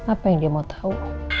apa yang dia mau tahu